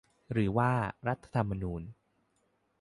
หรือว่า รัฐธรรมนูญ